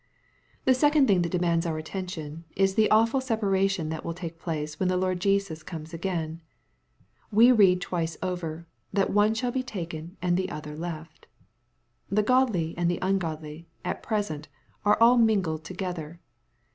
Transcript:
The second thing that demands our attention, is the awful separcUion that wUl takeplace when the Lord Jesus comes again. We read twice over, that " one shall be taken and the other left.'' The godly and the ungodly, at present, are all mingled together.